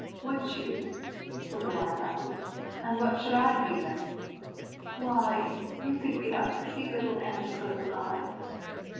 "Would you," said the White Rabbit, "and what should I be then ?"" Why, you could be that pretty little ant close by."